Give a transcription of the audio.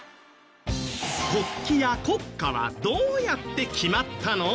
国旗や国歌はどうやって決まったの？